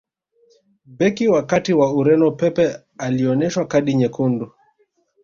beki wa kati wa ureno pepe alioneshwa kadi nyekundu